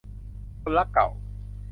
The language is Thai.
คนรักเก่า